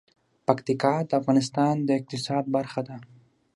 پکتیکا د افغانستان د اقتصاد برخه ده.